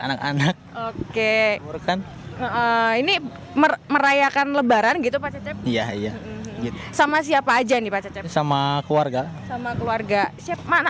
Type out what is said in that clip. anak anak oke kan ini merayakan lebaran gitu pak cecep iya sama siapa aja nih sama keluarga keluarga